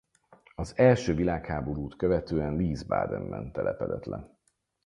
Az első világháborút követően Wiesbadenben telepedett le.